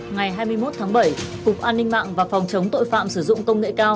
ngày hai mươi một tháng bảy cục an ninh mạng và phòng chống tội phạm sử dụng công nghệ cao